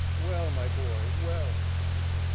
"Well, my boy! well, Harrington!